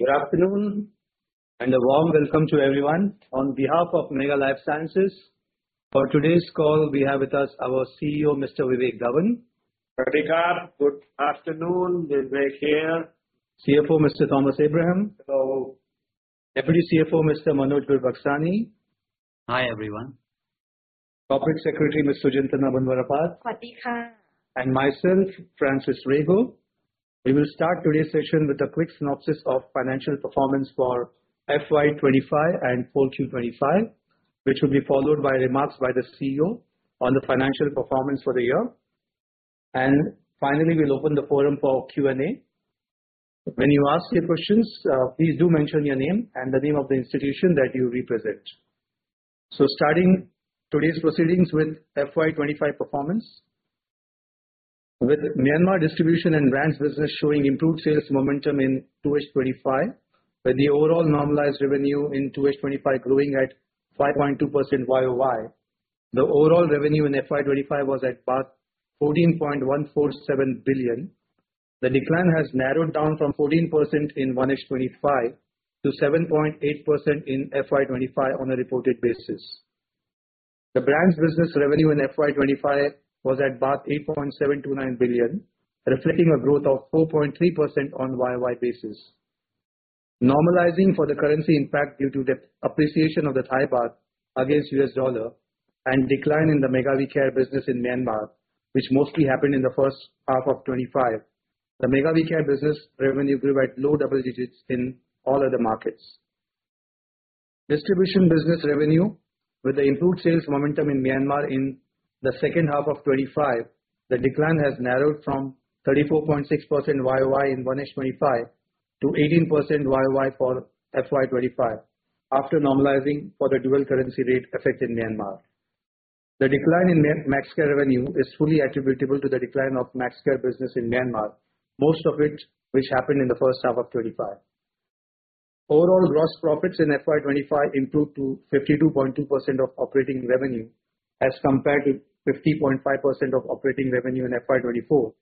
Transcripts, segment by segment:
Good afternoon, and a warm welcome to everyone on behalf of Mega Lifesciences. For today's call, we have with us our CEO, Mr. Vivek Dhawan. Good afternoon. Vivek here. CFO, Mr. Thomas Abraham. Hello. Deputy CFO, Mr. Manoj Gurbuxani. Hi, everyone. Corporate Secretary, Ms. Sujintana Boonworapat. Myself, Francis Rego. We will start today's session with a quick synopsis of financial performance for FY 2025 and full Q 2025, which will be followed by remarks by the CEO on the financial performance for the year. Finally, we'll open the forum for Q&A. When you ask your questions, please do mention your name and the name of the institution that you represent. Starting today's proceedings with FY 2025 performance. With Myanmar distribution and brands business showing improved sales momentum in 2H 2025, with the overall normalized revenue in 2H 2025 growing at 5.2% YoY. The overall revenue in FY 2025 was at 14.147 billion. The decline has narrowed down from 14% in 1H 2025 to 7.8% in FY 2025 on a reported basis. The brand's business revenue in FY 2025 was at 8.729 billion, reflecting a growth of 4.3% on YoY basis. Normalizing for the currency impact due to the appreciation of the Thai baht against U.S. dollar and decline in the Mega We Care business in Myanmar, which mostly happened in the first half of 2025. The Mega We Care business revenue grew at low double digits in all other markets. Distribution business revenue with the improved sales momentum in Myanmar in the second half of 2025, the decline has narrowed from 34.6% YoY in 1H 2025 to 18% YoY for FY 2025 after normalizing for the dual currency rate effect in Myanmar. The decline in Maxxcare revenue is fully attributable to the decline of Maxxcare business in Myanmar, most of it which happened in the first half of 2025. Overall gross profits in FY 2025 improved to 52.2% of operating revenue as compared to 50.5% of operating revenue in FY 2024.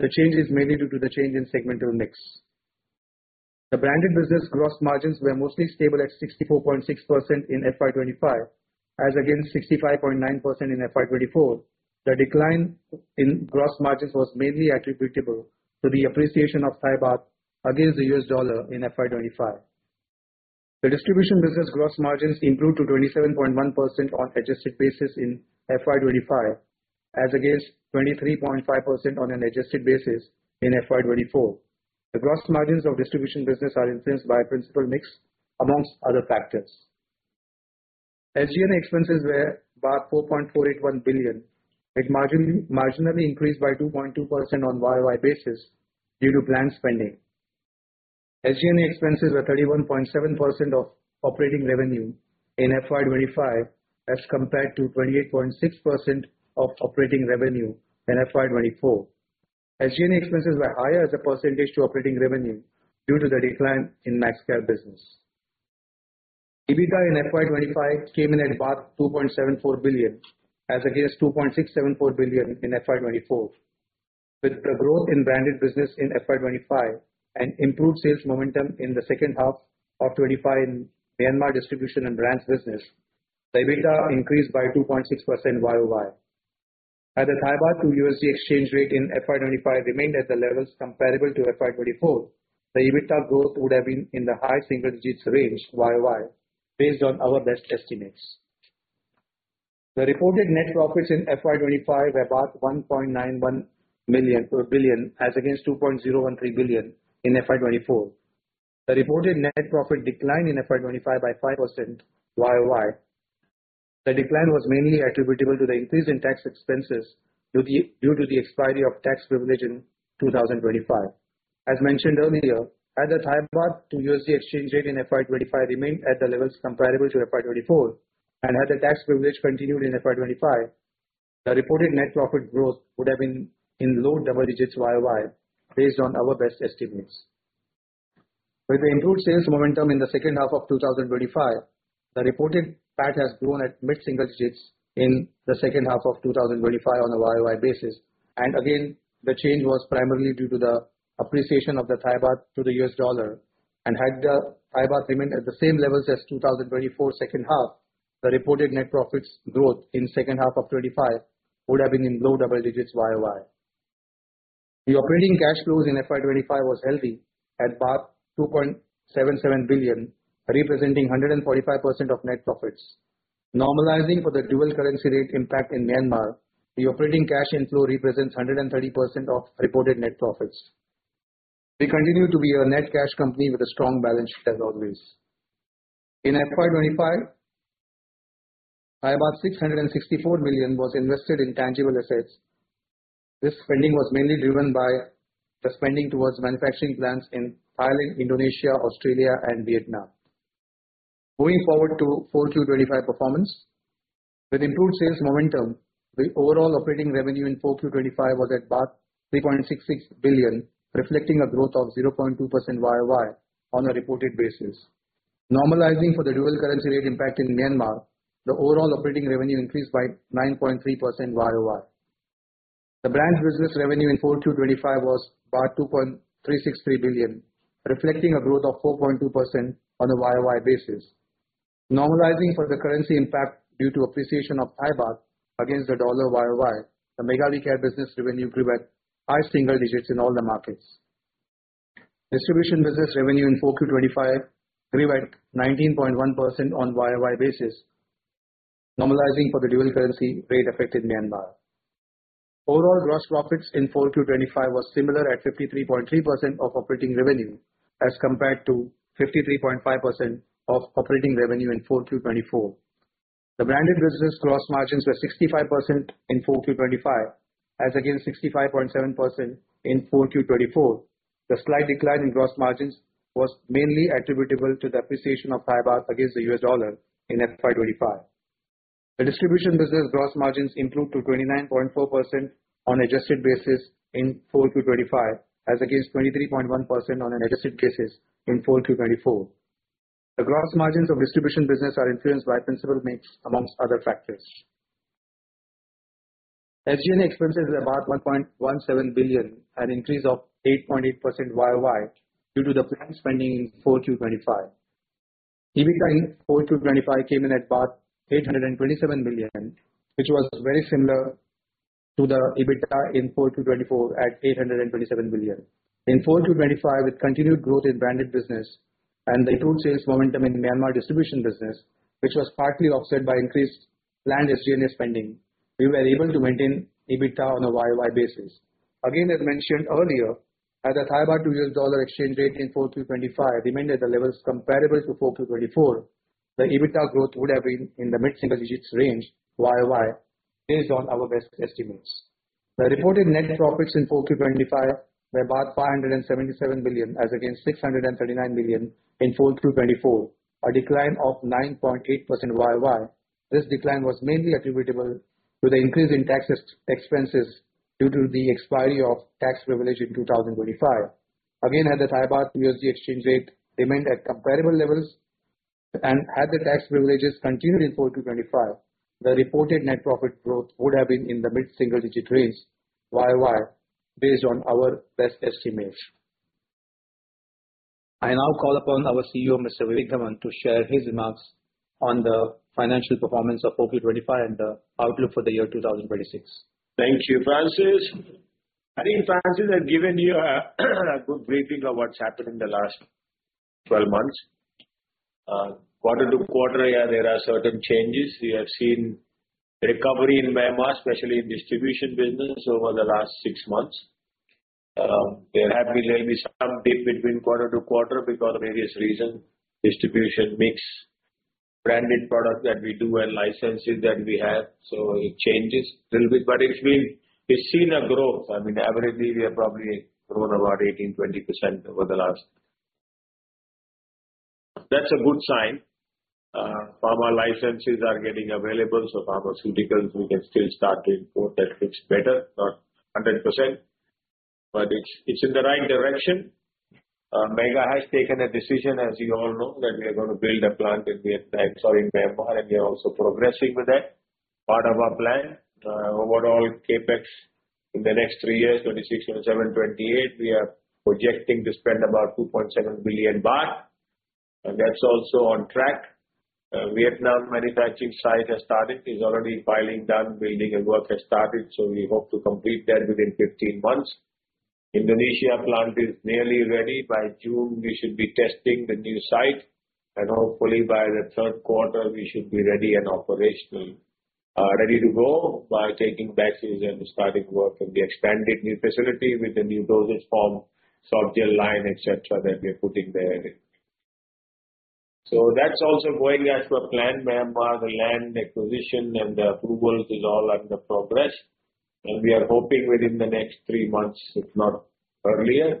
The change is mainly due to the change in segmental mix. The branded business gross margins were mostly stable at 64.6% in FY 2025, as against 65.9% in FY 2024. The decline in gross margins was mainly attributable to the appreciation of Thai baht against the US dollar in FY 2025. The distribution business gross margins improved to 27.1% on adjusted basis in FY 2025, as against 23.5% on an adjusted basis in FY 2024. The gross margins of distribution business are influenced by principal mix among other factors. SG&A expenses were 4.481 billion. It marginally increased by 2.2% on year-over-year basis due to planned spending. SG&A expenses were 31.7% of operating revenue in FY 2025 as compared to 28.6% of operating revenue in FY 2024. SG&A expenses were higher as a percentage to operating revenue due to the decline in Maxxcare business. EBITDA in FY 2025 came in at 2.74 billion as against 2.674 billion in FY 2024. With the growth in branded business in FY 2025 and improved sales momentum in the second half of 2025 in Myanmar distribution and brands business, the EBITDA increased by 2.6% year-over-year. Had the Thai baht to USD exchange rate in FY 2025 remained at the levels comparable to FY 2024, the EBITDA growth would have been in the high single digits range YoY based on our best estimates. The reported net profits in FY 2025 were 1.91 billion as against 2.013 billion in FY 2024. The reported net profit declined in FY 2025 by 5% YoY. The decline was mainly attributable to the increase in tax expenses due to the expiry of tax privilege in 2025. As mentioned earlier, had the Thai baht to USD exchange rate in FY 2025 remained at the levels comparable to FY 2024, and had the tax privilege continued in FY 2025, the reported net profit growth would have been in low double digits YoY based on our best estimates. With the improved sales momentum in the second half of 2025, the reported PAT has grown at mid single digits in the second half of 2025 on a YoY basis. Again, the change was primarily due to the appreciation of the Thai baht to the US dollar. Had the Thai baht remained at the same levels as 2024 second half, the reported net profits growth in second half of 2025 would have been in low double digits YoY. The operating cash flows in FY 2025 was healthy at 2.77 billion, representing 145% of net profits. Normalizing for the dual currency rate impact in Myanmar, the operating cash inflow represents 130% of reported net profits. We continue to be a net cash company with a strong balance sheet as always. In FY 2025, 664 million was invested in tangible assets. This spending was mainly driven by the spending towards manufacturing plants in Thailand, Indonesia, Australia and Vietnam. Going forward to full Q 2025 performance. With improved sales momentum, the overall operating revenue in full Q 2025 was at 3.66 billion, reflecting a growth of 0.2% YoY on a reported basis. Normalizing for the dual currency rate impact in Myanmar, the overall operating revenue increased by 9.3% YoY. The brand business revenue in 4Q 2025 was 2.363 billion, reflecting a growth of 4.2% on a YoY basis. Normalizing for the currency impact due to appreciation of Thai baht against the US dollar YoY, the Maxxcare business revenue grew at high single digits in all the markets. Distribution business revenue in Q4 FY 2025 grew at 19.1% on YoY basis, normalizing for the dual currency rate effect in Myanmar. Overall gross profits in Q4 FY 2025 was similar at 53.3% of operating revenue as compared to 53.5% of operating revenue in Q4 FY 2024. The branded business gross margins were 65% in Q4 FY 2025 as against 65.7% in Q4 FY 2024. The slight decline in gross margins was mainly attributable to the appreciation of Thai baht against the US dollar in FY 2025. The distribution business gross margins improved to 29.4% on adjusted basis in Q4 FY 2025 as against 23.1% on an adjusted basis in Q4 FY 2024. The gross margins of distribution business are influenced by principal mix among other factors. SG&A expenses were about 1.17 billion, an increase of 8.8% YoY due to the planned spending in FY 2025. EBITDA in FY 2025 came in at about 827 million, which was very similar to the EBITDA in FY 2024 at 827 million. In FY 2025, with continued growth in branded business and the improved sales momentum in Myanmar distribution business, which was partly offset by increased planned SG&A spending, we were able to maintain EBITDA on a YoY basis. Again, as mentioned earlier, as the Thai baht to US dollar exchange rate in FY 2025 remained at the levels comparable to FY 2024, the EBITDA growth would have been in the mid-single digits range YoY based on our best estimates. The reported net profits in FY 2025 were about 577 billion as against 639 billion in FY 2024, a decline of 9.8% YoY. This decline was mainly attributable to the increase in tax expenses due to the expiration of tax privilege in 2025. Again, had the Thai baht to USD exchange rate remained at comparable levels and had the tax privileges continued in FY 2025, the reported net profit growth would have been in the mid-single digit range YoY based on our best estimates. I now call upon our CEO, Mr. Vivek Dhawan, to share his remarks on the financial performance of FY 2025 and the outlook for the year 2026. Thank you, Francis. I think Francis has given you a good briefing of what's happened in the last 12 months. Quarter-to-quarter, yeah, there are certain changes. We have seen recovery in Myanmar, especially in distribution business over the last six months. There have been maybe some dip between quarter-to-quarter because of various reasons. Distribution mix, branded product that we do and licenses that we have. It changes little bit, but it's been. We've seen a growth. I mean, averagely, we have probably grown about 18%-20% over the last. That's a good sign. Pharma licenses are getting available, so pharmaceuticals we can still start to import. That looks better. Not 100%, but it's in the right direction. Mega has taken a decision, as you all know, that we are gonna build a plant in Myanmar, and we are also progressing with that part of our plan. Overall CapEx in the next three years, 2026, 2027, 2028, we are projecting to spend about 2.7 billion baht. That's also on track. Vietnam manufacturing site has started. It's already filing done. Building and work has started, so we hope to complete that within 15 months. Indonesia plant is nearly ready. By June, we should be testing the new site, and hopefully by the third quarter we should be ready and operational. Ready to go by taking batches and starting work on the expanded new facility with the new dosage form, softgel line, et cetera, that we're putting there. That's also going as per plan. Myanmar, the land acquisition and the approvals is all under progress, and we are hoping within the next three months, if not earlier,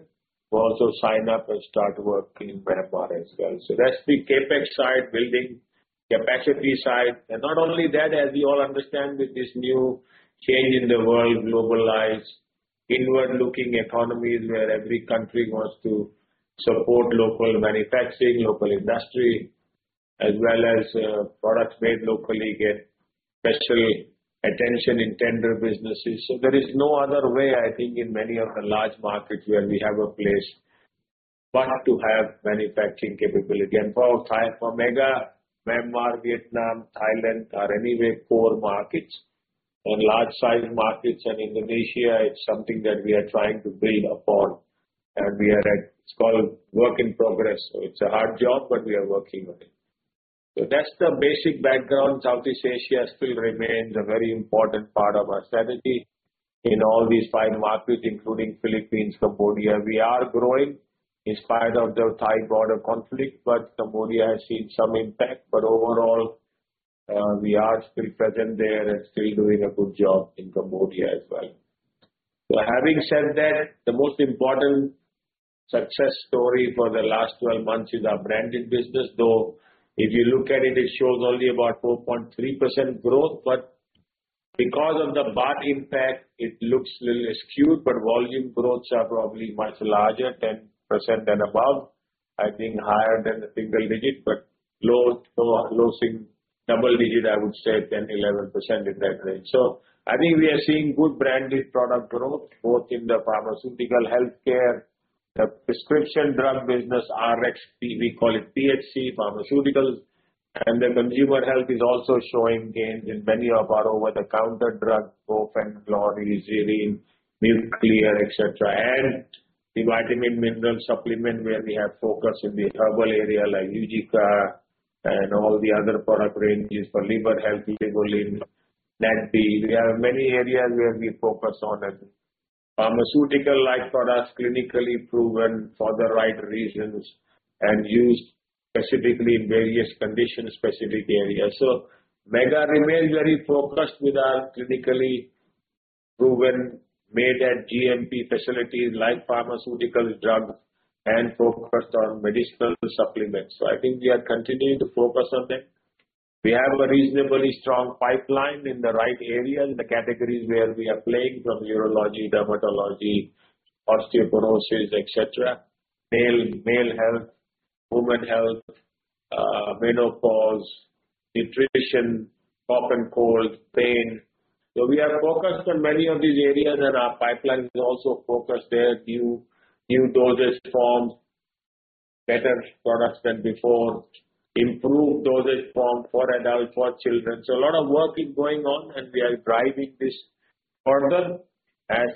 to also sign up and start work in Myanmar as well. That's the CapEx side, building capacity side. Not only that, as we all understand with this new change in the world, globalized inward-looking economies where every country wants to support local manufacturing, local industry, as well as products made locally get special attention in tender businesses. There is no other way, I think, in many of the large markets where we have a place but to have manufacturing capability. For Mega, Myanmar, Vietnam, Thailand are anyway core markets and large size markets, and Indonesia is something that we are trying to build upon. It's called work in progress. It's a hard job, but we are working on it. That's the basic background. Southeast Asia still remains a very important part of our strategy in all these five markets, including Philippines, Cambodia. We are growing in spite of the Thai border conflict, but Cambodia has seen some impact. Overall, we are still present there and still doing a good job in Cambodia as well. Having said that, the most important success story for the last 12 months is our branded business. Though if you look at it shows only about 4.3% growth. Because of the baht impact, it looks a little skewed, but volume growths are probably much larger, 10% and above. I think higher than the single digit, but low single-double digit, I would say 10, 11% in that range. I think we are seeing good branded product growth, both in the pharmaceutical health care, the prescription drug business, RX, we call it PHC, pharmaceuticals. The consumer health is also showing gains in many of our over-the-counter drugs, Brufen, Glori, Ezerra, Meklerr, et cetera. The vitamin mineral supplement where we have focus in the herbal area like Eugica and all the other product ranges for liver health, Livolin, NatB. We have many areas where we focus on it. Pharmaceutical-like products, clinically proven for the right reasons and used specifically in various conditions, specific areas. Mega remains very focused with our clinically proven made at GMP facilities like pharmaceutical drugs and focused on medicinal supplements. I think we are continuing to focus on that. We have a reasonably strong pipeline in the right areas, the categories where we are playing, from urology, dermatology, osteoporosis, et cetera. Male health, women health, menopause, nutrition, cough and cold, pain. We are focused on many of these areas, and our pipeline is also focused there. New dosage forms, better products than before, improved dosage form for adults, for children. A lot of work is going on, and we are driving this further. As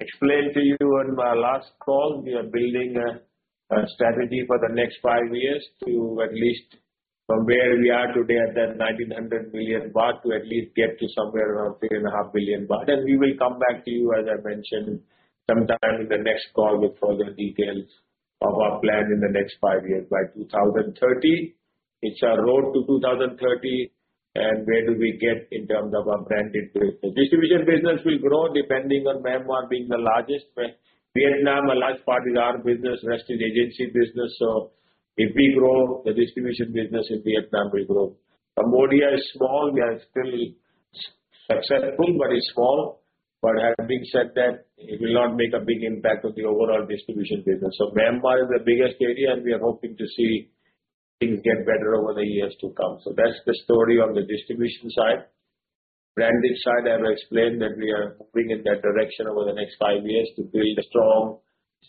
explained to you on my last call, we are building a strategy for the next five years to at least from where we are today at that 1,900 million baht to at least get to somewhere around 3.5 billion baht. We will come back to you, as I mentioned, sometime in the next call with further details of our plan in the next five years by 2030. It's our road to 2030, and where do we get in terms of our branded growth. The distribution business will grow depending on Myanmar being the largest. Vietnam, a large part is our business, rest in agency business. If we grow, the distribution business in Vietnam will grow. Cambodia is small. We are still successful, but it's small. Having said that, it will not make a big impact on the overall distribution business. Myanmar is the biggest area, and we are hoping to see things get better over the years to come. That's the story on the distribution side. Branded side, I've explained that we are moving in that direction over the next five years to build a strong,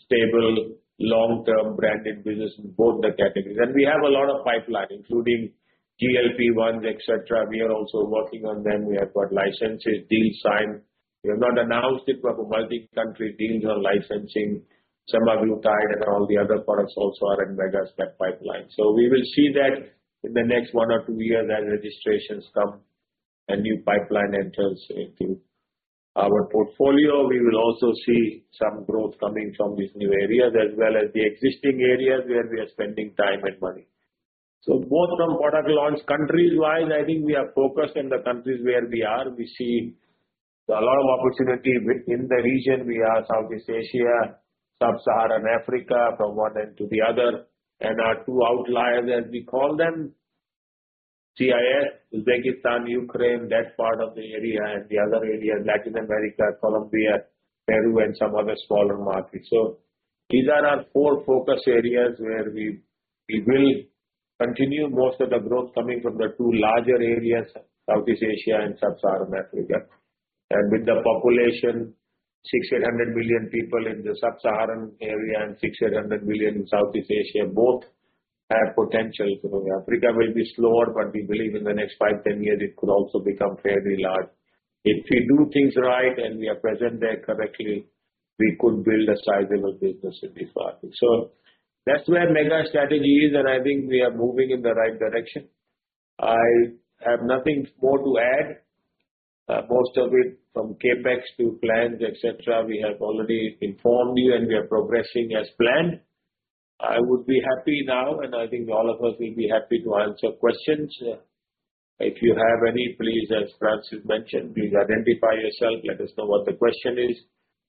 stable, long-term branded business in both the categories. We have a lot of pipeline, including GLP-1s, et cetera. We are also working on them. We have got licenses, deals signed. We have not announced it, but multi-country deals on licensing semaglutide and all the other products also are in Mega's pipeline. We will see that in the next one or two years as registrations come and new pipeline enters into our portfolio. We will also see some growth coming from these new areas as well as the existing areas where we are spending time and money. Both from product launch, countries wise, I think we are focused in the countries where we are. We see a lot of opportunity within the region. We are Southeast Asia, Sub-Saharan Africa from one end to the other. Our two outliers, as we call them, CIS, Uzbekistan, Ukraine, that part of the area, and the other area, Latin America, Colombia, Peru, and some other smaller markets. These are our four focus areas where we will continue most of the growth coming from the two larger areas, Southeast Asia and Sub-Saharan Africa. With the population, 600 million people in the Sub-Saharan area and 600 million in Southeast Asia, both have potential. Africa will be slower, but we believe in the next five, 10 years, it could also become fairly large. If we do things right and we are present there correctly, we could build a sizable business in this part. That's where Mega's strategy is, and I think we are moving in the right direction. I have nothing more to add. Most of it from CapEx to plans, et cetera, we have already informed you, and we are progressing as planned. I would be happy now, and I think all of us will be happy to answer questions. If you have any, please, as Francis mentioned, please identify yourself, let us know what the question is,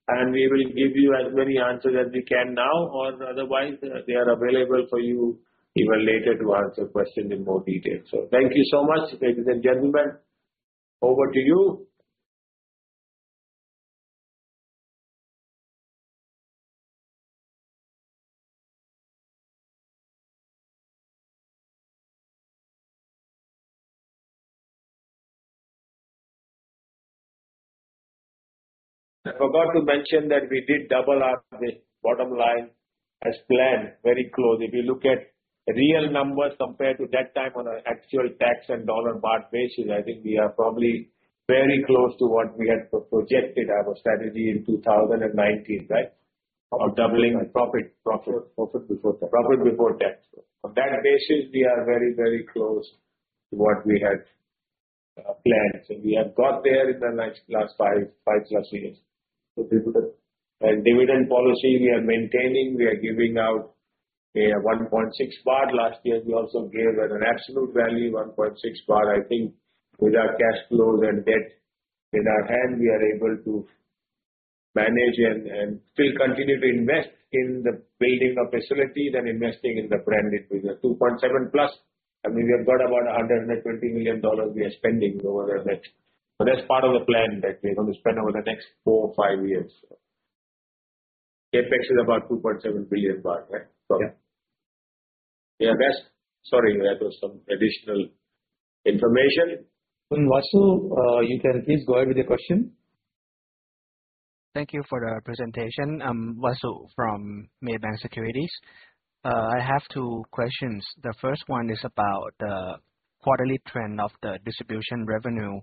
and we will give you as many answers as we can now, or otherwise, they are available for you even later to answer questions in more detail. Thank you so much, ladies and gentlemen. Over to you. I forgot to mention that we did double the bottom line as planned very closely. If you look at real numbers compared to that time on an actual FX and dollar-baht basis, I think we are probably very close to what we had projected our strategy in 2019, right? Of doubling our profit. Profit before tax. Profit before tax. On that basis, we are very, very close to what we had planned. We have got there over the last five-plus years. Dividend policy, we are maintaining. We are giving out 1.6. Last year, we also gave, at an absolute value, 1.6. I think with our cash flows and debt in our hand, we are able to manage and still continue to invest in the building of facilities and investing in the branded business. 2.7+, I mean, we have got about $120 million we are spending over that. That's part of the plan that we're gonna spend over the next four or five years. CapEx is about THB 2.7 billion, right? Yeah. Sorry, that was some additional information. Vasu, you can please go ahead with your question. Thank you for the presentation. I'm Vasu from Maybank Securities. I have two questions. The first one is about the quarterly trend of the distribution revenue.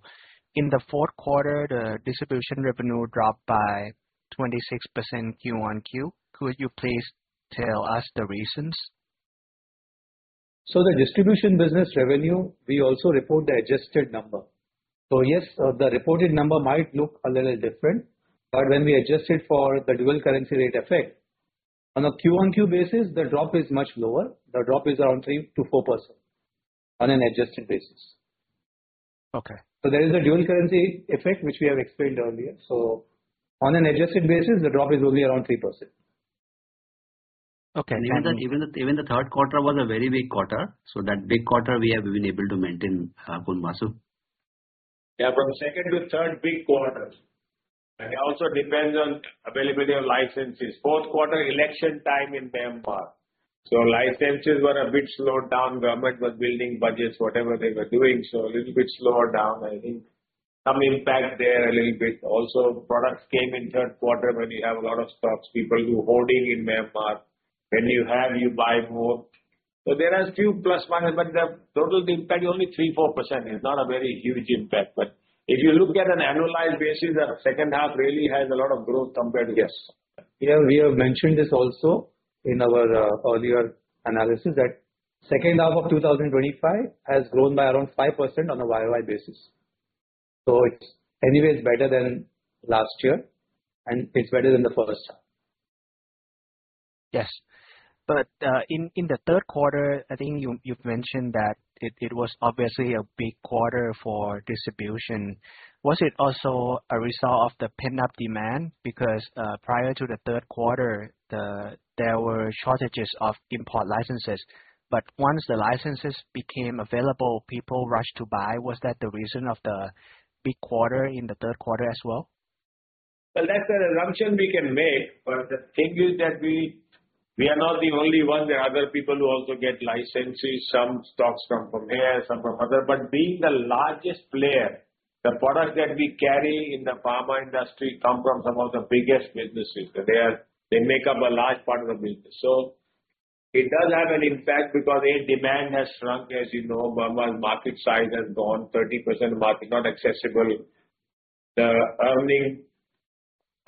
In the fourth quarter, the distribution revenue dropped by 26% Q-on-Q. Could you please tell us the reasons? The distribution business revenue, we also report the adjusted number. Yes, the reported number might look a little different, but when we adjust it for the dual currency rate effect, on a QoQ basis, the drop is much lower. The drop is around 3%-4% on an adjusted basis. Okay. There is a dual currency effect which we have explained earlier. On an adjusted basis, the drop is only around 3%. Okay. Even the third quarter was a very big quarter. That big quarter we have been able to maintain, Vasu. Yeah. From second to third, big quarters. It also depends on availability of licenses. Fourth quarter election time in Myanmar, so licenses were a bit slowed down. Government was building budgets, whatever they were doing, so a little bit slower down. I think some impact there a little bit. Also, products came in third quarter when you have a lot of stocks people who hoarding in Myanmar. When you have, you buy more. So there are few plus minus, but the total impact is only 3%-4%. It's not a very huge impact. If you look at an annualized basis, the second half really has a lot of growth compared to this. Yeah, we have mentioned this also in our earlier analysis, that second half of 2025 has grown by around 5% on a YoY basis. It's anyways better than last year and it's better than the first. Yes. In the third quarter, I think you've mentioned that it was obviously a big quarter for distribution. Was it also a result of the pent-up demand? Because prior to the third quarter, there were shortages of import licenses. Once the licenses became available, people rushed to buy. Was that the reason of the big quarter in the third quarter as well? Well, that's an assumption we can make, but the thing is that we are not the only one. There are other people who also get licenses. Some stocks come from here, some from other. Being the largest player, the products that we carry in the pharma industry come from some of the biggest businesses. So they are. They make up a large part of the business. So it does have an impact because, A, demand has shrunk. As you know, Myanmar's market size has gone 30% market not accessible.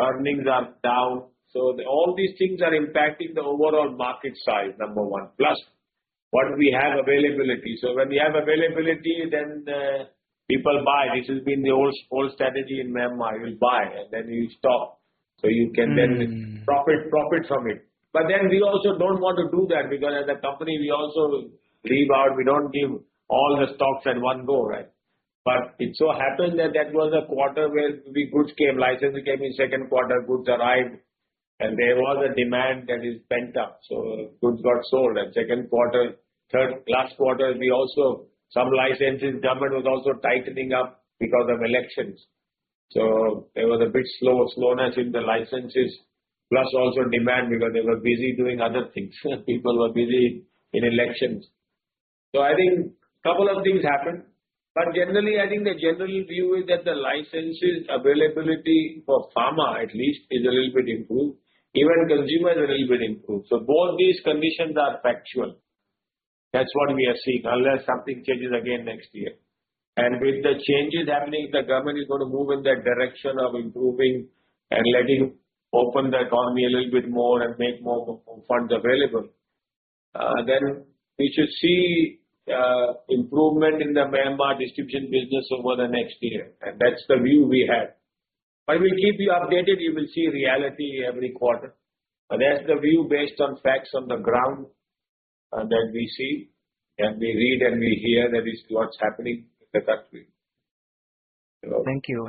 Earnings are down. So all these things are impacting the overall market size, number one. Plus what we have availability. So when we have availability, then people buy. This has been the old strategy in Myanmar. You buy and then you stock, so you can then. Mm. Profit, profit from it. We also don't want to do that because as a company we also leave out. We don't give all the stocks at one go, right? It so happened that was a quarter where the goods came, license came in second quarter, goods arrived and there was a demand that is pent-up. Goods got sold. Second quarter, last quarter, we also some licenses, government was also tightening up because of elections. There was a bit slower slowness in the licenses, plus also demand because they were busy doing other things. People were busy in elections. I think couple of things happened. Generally, I think the general view is that the licenses availability for pharma at least is a little bit improved. Even consumer a little bit improved. Both these conditions are factual. That's what we are seeing. Unless something changes again next year. With the changes happening, the government is gonna move in that direction of improving and letting open the economy a little bit more and make more, funds available. We should see improvement in the Myanmar distribution business over the next year. That's the view we have. I will keep you updated. You will see reality every quarter. That's the view based on facts on the ground, that we see and we read and we hear that is what's happening in the country. Thank you.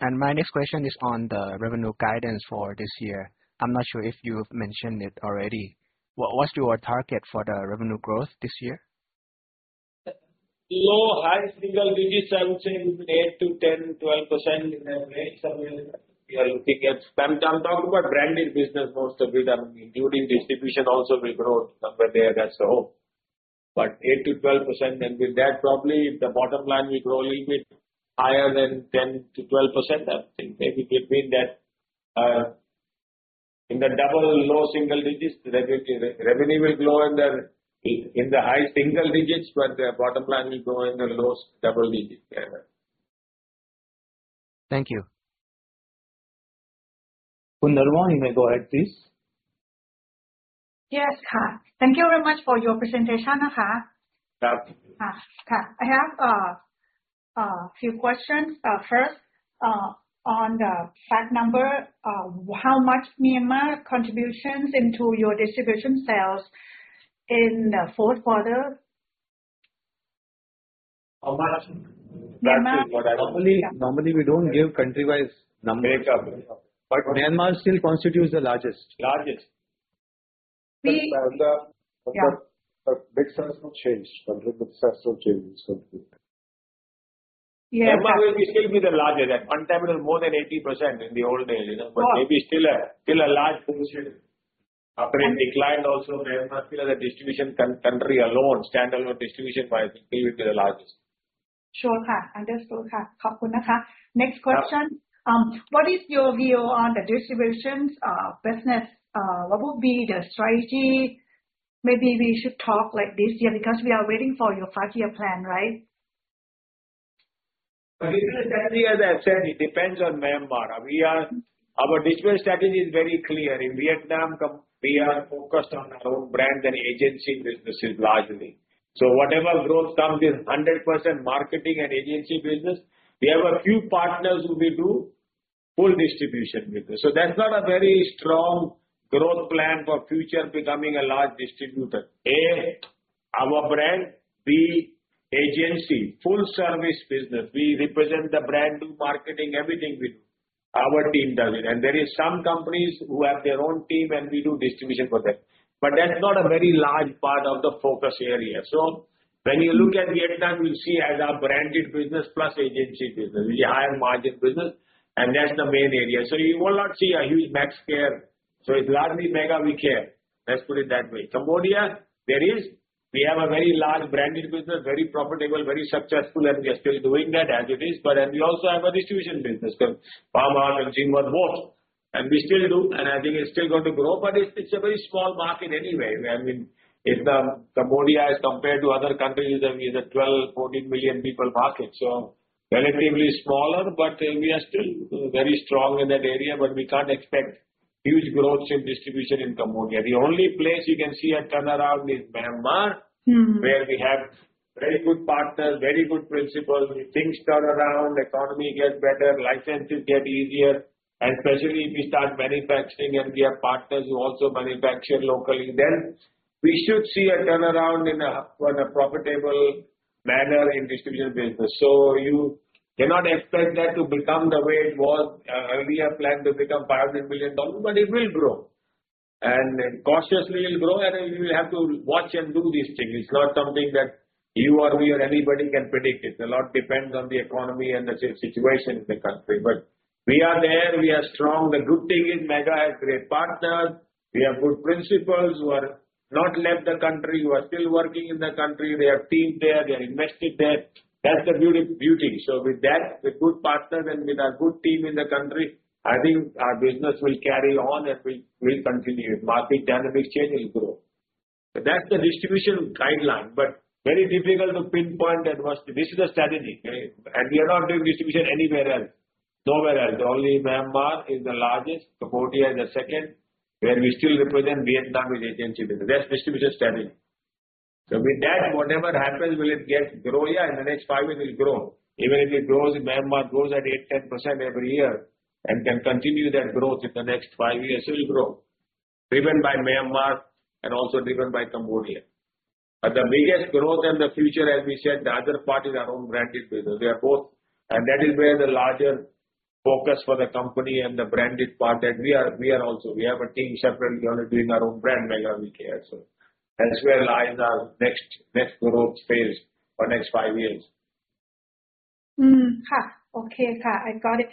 My next question is on the revenue guidance for this year. I'm not sure if you've mentioned it already. What's your target for the revenue growth this year? Low to high single digits. I would say 8-10, 12% in the range that we are looking at. I'm talking about branded business mostly a bit. I mean, distribution also will grow numbers there. That's the hope. Eight to 12%. With that probably the bottom line will grow a little bit higher than 10%-12%, I think. Maybe between that in the double low single digits. Revenue will grow in the high single digits, but the bottom line will grow in the low double digits. Yeah. Thank you. Pundhravudh, you may go ahead, please. Yes. Thank you very much for your presentation. Yeah. I have few questions. First, on the PAT number, how much Myanmar contributions into your distribution sales in the fourth quarter? How much? Myanmar. Normally we don't give country-wise numbers. Make up. Myanmar still constitutes the largest. Largest. That's a big successful change. 100% successful change in country. Yeah. Myanmar will still be the largest. At one time it was more than 80% in the old days, you know. Wow. Maybe still a large proportion. After it declined also, Myanmar still has a distribution country alone, standalone distribution by Sure. Understood. Next question. Yeah. What is your view on the distribution business? What would be the strategy? Maybe we should talk like this year, because we are waiting for your five-year plan, right? As I said, it depends on Myanmar. We are. Our distribution strategy is very clear. In Vietnam, we are focused on our own brands and agency businesses largely. Whatever growth comes is 100% marketing and agency business. We have a few partners who we do full distribution business. That's not a very strong growth plan for future becoming a large distributor. A, our brand. B, agency, full service business. We represent the brand, do marketing, everything we do. Our team does it. There is some companies who have their own team, and we do distribution for them. That's not a very large part of the focus area. When you look at Vietnam, you'll see our branded business plus agency business. The higher margin business, and that's the main area. You will not see a huge Maxxcare. It's largely Mega We Care, let's put it that way. Cambodia, there is. We have a very large branded business, very profitable, very successful, and we are still doing that as it is. Then we also have a distribution business, so Pharmart and Zifam both. We still do, and I think it's still going to grow, but it's a very small market anyway. I mean, if Cambodia, as compared to other countries, is a 12-14 million people market. Relatively smaller, but we are still very strong in that area, but we can't expect huge growth in distribution in Cambodia. The only place you can see a turnaround is Myanmar. Mm. Where we have very good partners, very good principals. If things turn around, economy gets better, licenses get easier, and especially if we start manufacturing and we have partners who also manufacture locally, then we should see a turnaround in a profitable manner in distribution business. You cannot expect that to become the way it was. We have planned to become $500 million, but it will grow. Cautiously it'll grow, and we have to watch and do these things. It's not something that you or me or anybody can predict it. A lot depends on the economy and the situation in the country. We are there, we are strong. The good thing is Mega has great partners. We have good principals who are not left the country, who are still working in the country. We have teams there. We have invested there. That's the beauty. With that, with good partners and with a good team in the country, I think our business will carry on, and we'll continue. Market dynamic change, it'll grow. That's the distribution guideline. Very difficult to pinpoint what's. This is a strategy, okay? We are not doing distribution anywhere else. Nowhere else. Only Myanmar is the largest. Cambodia is the second. We still represent Vietnam with agency business. That's distribution strategy. With that, whatever happens, will it grow? Yeah, in the next five years, it'll grow. Even if it grows, if Myanmar grows at 8-10% every year and can continue that growth in the next five years, it'll grow. Driven by Myanmar and also driven by Cambodia. The biggest growth in the future, as we said, the other part is our own branded business. They are both. That is where the larger focus for the company and the branded part that we are also. We have a team separately only doing our own brand, Mega We Care. That's where lies our next growth phase for next five years. Okay. I got it.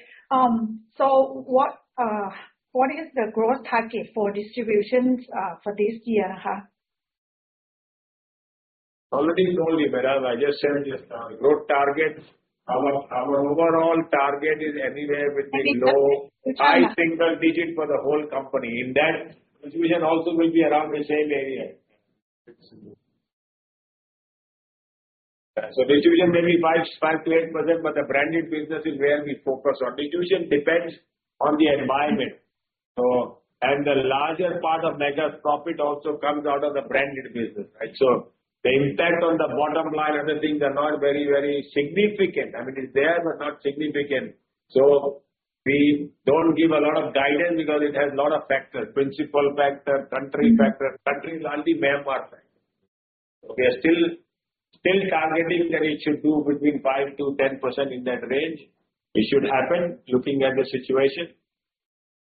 What is the growth target for distributions for this year? Already told you, Meera. I just said just now. Growth targets, our overall target is anywhere between low- I think that- High single-digit for the whole company. In that, distribution also will be around the same area. Distribution may be 5%-8%, but the branded business is where we focus on. Distribution depends on the environment. The larger part of Mega's profit also comes out of the branded business, right? The impact on the bottom line and other things are not very, very significant. I mean, it's there, but not significant. We don't give a lot of guidance because it has a lot of factors. Principal factor, country factor. Country is only Myanmar factor. We are still targeting that it should do between 5%-10% in that range. It should happen, looking at the situation,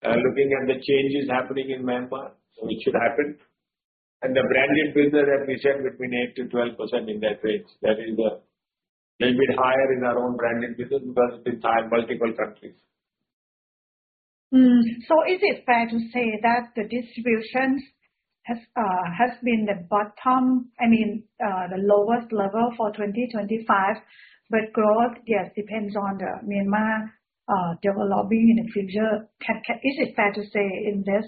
looking at the changes happening in Myanmar. It should happen. The branded business, as we said, between 8%-12% in that range. That is, little bit higher in our own branded business because it's higher in multiple countries. Is it fair to say that the distributions has been the bottom, I mean, the lowest level for 2025, but growth, yes, depends on the Myanmar developing in the future. Is it fair to say in this?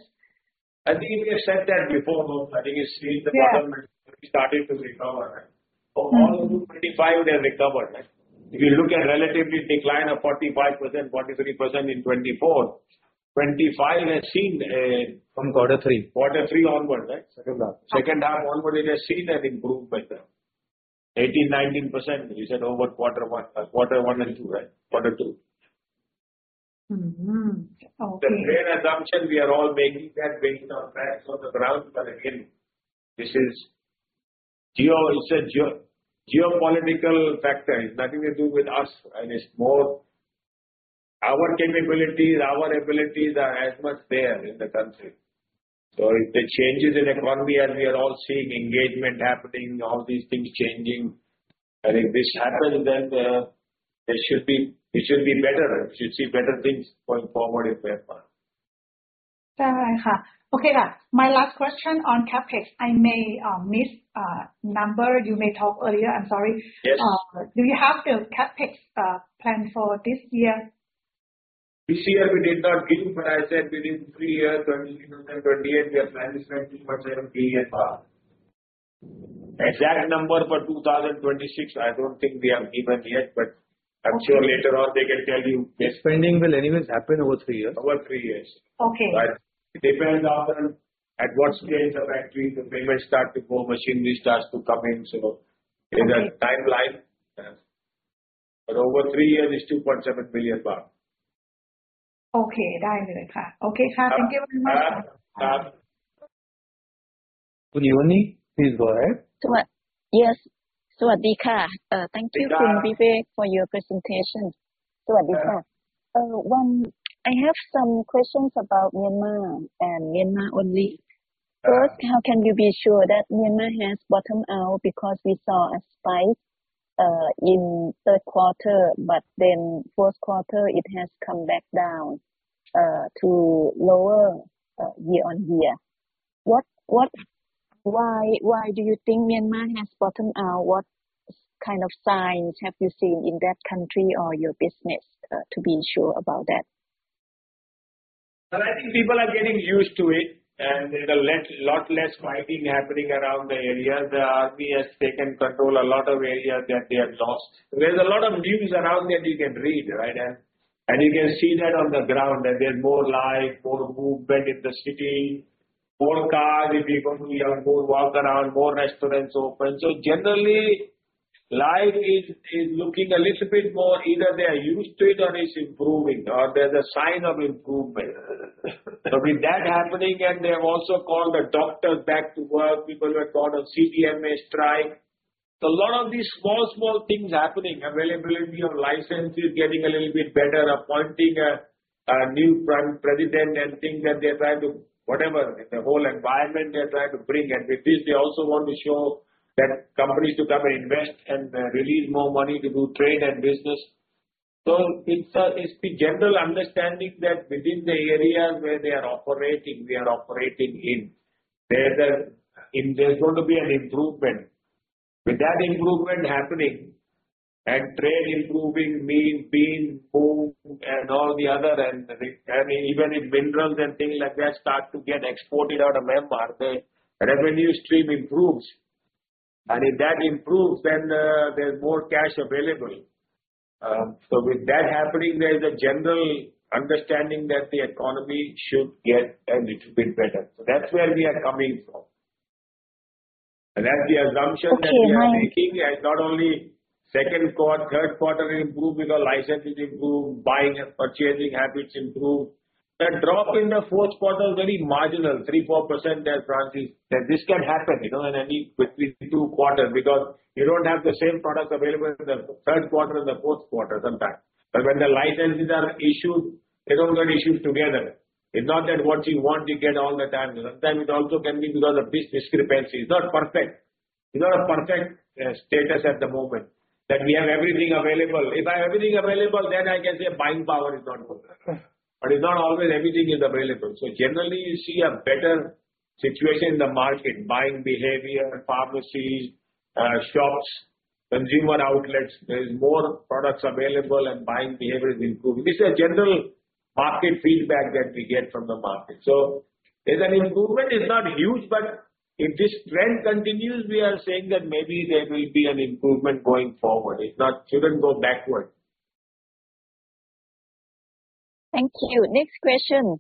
I think we have said that before. I think it's still the bottom and starting to recover. For all of 2025, they have recovered. If you look at relative decline of 45%, 43% in 2024. 2025 has seen. From quarter three. Quarter three onward, right? Second half. Second half onward, it has seen and improved by the 18%-19% we said over quarter one. Quarter one and two, right? Quarter two. Mm-hmm. Okay. The main assumption we are all making that based on facts on the ground. Again, this is a geopolitical factor. It's nothing to do with us, and it's more. Our capabilities, our abilities are as much there in the country. If the changes in economy, and we are all seeing engagement happening, all these things changing, and if this happens, then there should be. It should be better. You should see better things going forward if we are part. Okay. My last question on CapEx, I may miss number you may talk earlier. I'm sorry. Yes. Do you have the CapEx plan for this year? This year we did not give, but I said within three years, 2023-2028, we are planning THB 20.7 billion. Exact number for 2026, I don't think we have given yet, but I'm sure later on they can tell you. This spending will anyways happen over three years. Over three years. Okay. It depends on at what stage of factory the payment start to go, machinery starts to come in. There's a timeline. Over three years is 2.7 billion baht. Okay. Thank you very much. Khun Yooni, please go ahead. Yes. Thank you, Khun Vivek, for your presentation. I have some questions about Myanmar and Myanmar only. Uh. First, how can you be sure that Myanmar has bottomed out? Because we saw a spike in third quarter, but then fourth quarter it has come back down to lower year-on-year. Why do you think Myanmar has bottomed out? What kind of signs have you seen in that country or your business to be sure about that? Well, I think people are getting used to it, and there's a lot less fighting happening around the area. The army has taken control a lot of areas that they had lost. There's a lot of news around that you can read, right? You can see that on the ground that there's more life, more movement in the city, more cars, people, you know, more walking around, more restaurants open. Generally, life is looking a little bit more either they are used to it or it's improving, or there's a sign of improvement. With that happening, and they have also called the doctors back to work. People who had called a CDM strike. A lot of these small things happening. Availability of licenses getting a little bit better. Appointing a new president and things that they're trying to, whatever, the whole environment they're trying to bring. With this they also want to show that companies to come and invest and, release more money to do trade and business. It's the general understanding that within the areas where they are operating, we are operating in, there's going to be an improvement. With that improvement happening and trade improving, meat, bean, food and all the other end, I mean, even if minerals and things like that start to get exported out of Myanmar, the revenue stream improves. If that improves, then there's more cash available. With that happening, there's a general understanding that the economy should get a little bit better. That's where we are coming from. That's the assumption that we are making. Okay. Not only second quarter, third quarter improve because licenses improve, buying and purchasing habits improve. The drop in the fourth quarter is very marginal, 3%-4% at Francis Rego. This can happen, you know, in any between two quarters because you don't have the same products available in the third quarter and the fourth quarter sometimes. But when the licenses are issued, they don't get issued together. It's not that what you want, you get all the time. Sometimes it also can be because of discrepancy. It's not perfect. It's not a perfect status at the moment that we have everything available. If I have everything available, then I can say buying power is not good. But it's not always everything is available. So generally you see a better situation in the market, buying behavior, pharmacies, shops, consumer outlets. There is more products available and buying behavior is improving. This is a general market feedback that we get from the market. There's an improvement. It's not huge, but if this trend continues, we are saying that maybe there will be an improvement going forward. It's not. It shouldn't go backward. Thank you. Next question.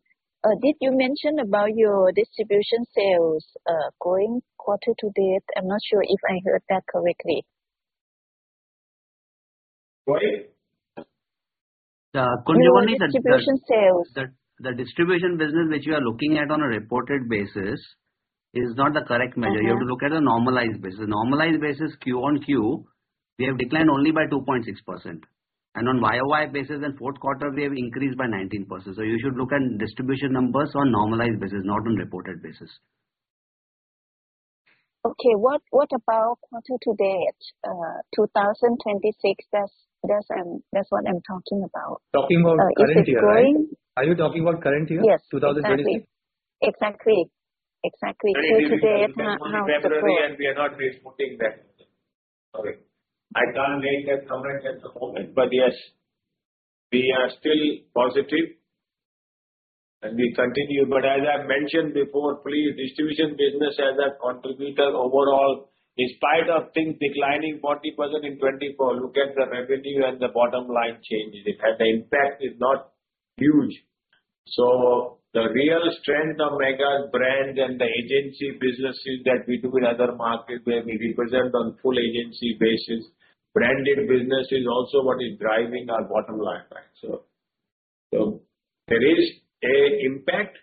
Did you mention about your distribution sales, growing quarter to date? I'm not sure if I heard that correctly. Sorry. The Khun Yooni- Your distribution sales. The distribution business which you are looking at on a reported basis is not the correct measure. Okay. You have to look at the normalized basis. Normalized basis Q-on-Q, we have declined only by 2.6%. On YoY basis in fourth quarter we have increased by 19%. You should look at distribution numbers on normalized basis, not on reported basis. Okay. What about quarter to date, 2026? That's what I'm talking about. Talking about current year, right? Is it growing? Are you talking about current year? Yes. 2026? Exactly. Quarter to date, how's the growth? February, we are not reporting that. Okay. I can't make a comment at the moment, but yes, we are still positive and we continue. As I mentioned before, please, distribution business as a contributor overall, in spite of things declining 40% in 2024, look at the revenue and the bottom line changes. The impact is not huge. The real strength of Mega's brand and the agency businesses that we do in other markets where we represent on full agency basis, branded business is also what is driving our bottom line back. There is an impact.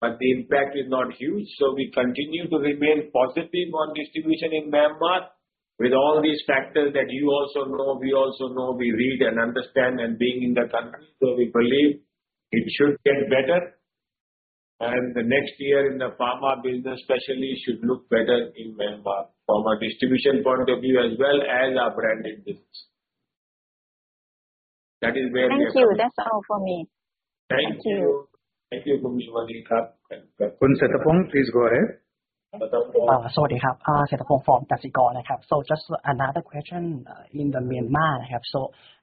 The impact is not huge, so we continue to remain positive on distribution in Myanmar with all these factors that you also know, we also know, we read and understand and being in the country. We believe it should get better. The next year in the pharma business especially should look better in Myanmar from a distribution point of view as well as our branding business. That is where we are. Thank you. That's all for me. Thank you. Thank you. Thank you, Khun Ishwari. Kap. Khun Setapong, please go ahead. Setapong. Sawasdee khrap. Setapong from Kasikornbank. Just another question in Myanmar.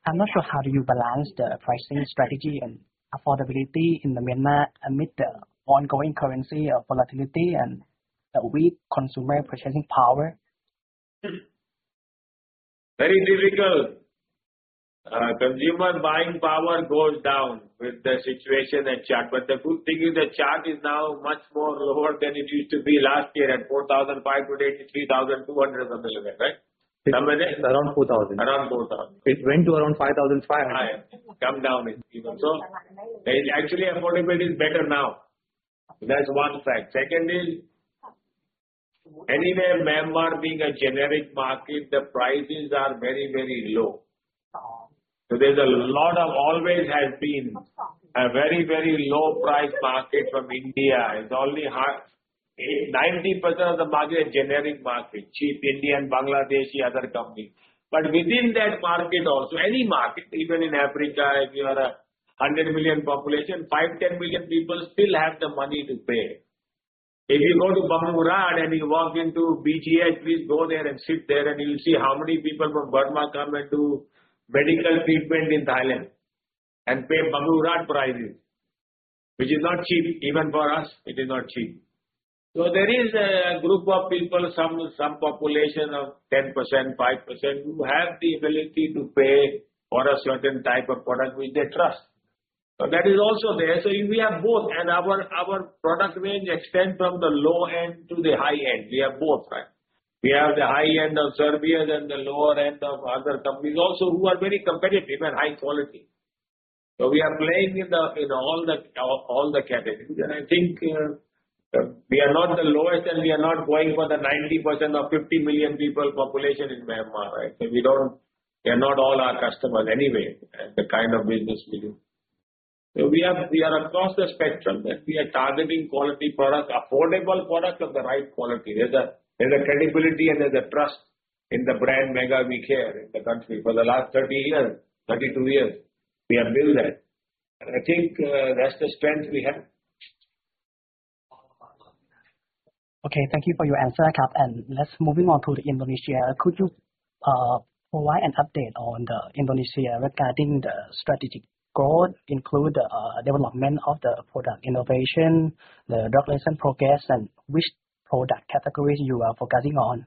I'm not sure how do you balance the pricing strategy and affordability in Myanmar amid the ongoing currency volatility and weak consumer purchasing power? Very difficult. Consumer buying power goes down with the situation and chart. The good thing is the chart is now much more lower than it used to be last year at 4,583,200 a millimeter, right? Number there? It's around 4,000. Around 4,000. It went to around 5,500. High. Come down even. Actually, affordability is better now. That's one fact. Second is, anyway, Myanmar being a generic market, the prices are very, very low. There's always been a very, very low price market from India. It's only 90% of the market is generic market. Cheap Indian, Bangladeshi, other company. But within that market also, any market, even in Africa, if you are a 100 million population, 5, 10 million people still have the money to pay. If you go to Bumrungrad and you walk into BGH, please go there and sit there and you'll see how many people from Burma come and do medical treatment in Thailand and pay Bumrungrad prices, which is not cheap even for us. It is not cheap. There is a group of people, some population of 10%, 5% who have the ability to pay for a certain type of product which they trust. That is also there. We have both and our product range extend from the low end to the high end. We have both, right? We have the high end of Servier and the lower end of other companies also who are very competitive and high quality. We are playing in all the categories. I think we are not the lowest and we are not going for the 90% of 50 million people population in Myanmar, right? We don't. They are not all our customers anyway, at the kind of business we do. We are across the spectrum, right? We are targeting quality product, affordable product of the right quality. There's credibility and there's a trust in the brand Mega We Care in the country. For the last 32 years, we have built that. I think that's the strength we have. Okay. Thank you for your answer, Kap. Let's move on to Indonesia. Could you provide an update on Indonesia regarding the strategic growth, including development of the product innovation, the regulatory progress and which product categories you are focusing on?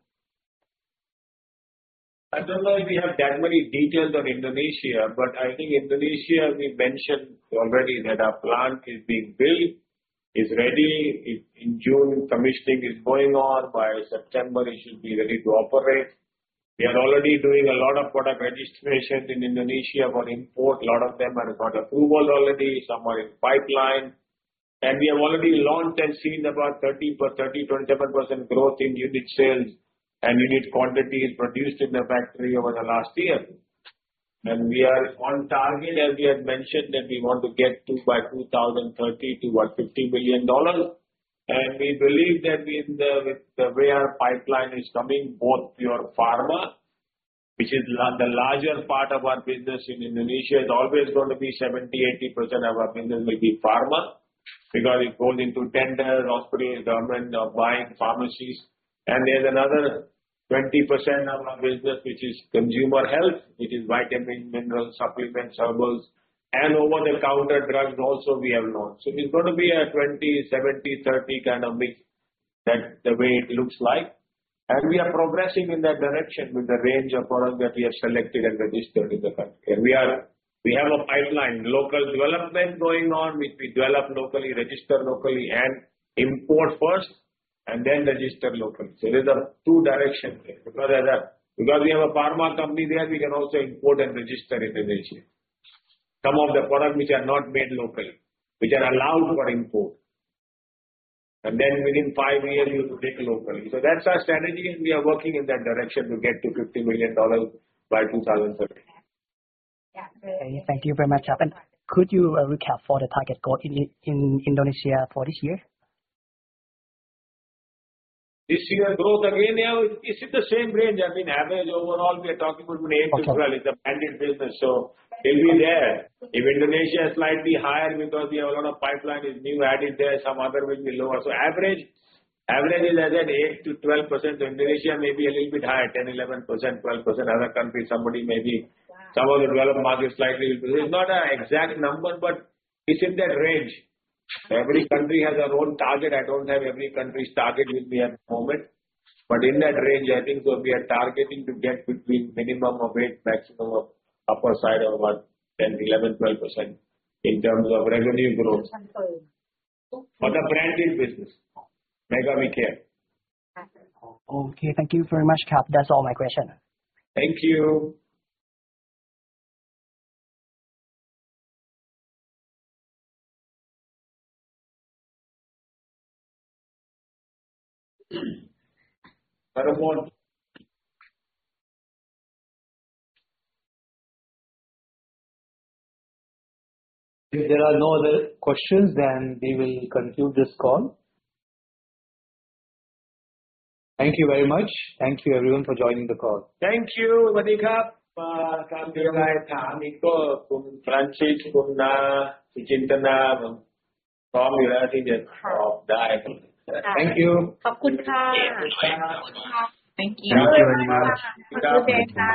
I don't know if we have that many details on Indonesia, but I think Indonesia we mentioned already that our plant is being built. It's ready. In June, commissioning is going on. By September, it should be ready to operate. We are already doing a lot of product registrations in Indonesia for import. A lot of them have got approval already, some are in pipeline. We have already launched and seen about 27% growth in unit sales and unit quantities produced in the factory over the last year. We are on target, as we had mentioned, that we want to get to by 2030 to $50 billion. We believe that in the, with the way our pipeline is coming, both your pharma, which is the largest part of our business in Indonesia, it's always gonna be 70, 80% of our business will be pharma because it goes into tender, hospital, government are buying, pharmacies. There's another 20% of our business which is consumer health. It is vitamins, minerals, supplements, herbals and over-the-counter drugs also we have launched. It's gonna be a 20, 70/30 kind of mix. That's the way it looks like. We are progressing in that direction with the range of products that we have selected and registered in the country. We have a pipeline, local development going on, which we develop locally, register locally and import first and then register locally. There's a two direction there. Because we have a pharma company there, we can also import and register in Indonesia some of the products which are not made locally, which are allowed for import. Within five years, we will make locally. That's our strategy, and we are working in that direction to get to $50 million by 2030. Yeah. Thank you very much, Kap. Could you recap for the target growth in Indonesia for this year? This year growth again, yeah, it's in the same range. I mean, average overall, we are talking about between 8%-12%. Okay. It's a branded business, so it'll be there. If Indonesia is slightly higher because we have a lot of pipeline is new added there, some other will be lower. Average, average is around 8%-12%. Indonesia may be a little bit higher, 10, 11%, 12%. Other countries, somebody may be. Some of the developed markets slightly will be. There's not an exact number, but it's in that range. Every country has their own target. I don't have every country's target with me at the moment. In that range, I think so we are targeting to get between minimum of eight, maximum of upper side of, what, 10, 11, 12% in terms of revenue growth. Confirm. For the branded business, Mega We Care. 確認. Okay. Thank you very much, Kap. That's all my question. Thank you. Paramon. If there are no other questions, then we will conclude this call. Thank you very much. Thank you everyone for joining the call. Thank you. Sawasdee khrap. ถ้ามีอะไรถามอีกก็คุณ Francis, คุณ Na, คุณ Chintana, ผมพร้อมอยู่แล้วที่จะตอบได้ Thank you. Khob khun ka. Thank you. Thank you very much. Khob khun ka.